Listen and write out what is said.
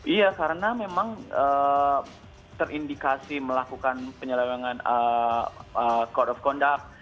iya karena memang terindikasi melakukan penyelewengan code of conduct